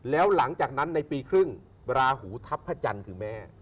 แล้วหลังจากนั้นในปีครึ่งราหูทัพพระจันทร์คือแม่